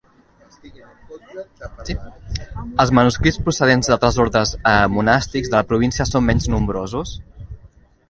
Els manuscrits procedents d'altres ordes monàstics de la província són menys nombrosos.